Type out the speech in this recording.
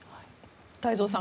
太蔵さん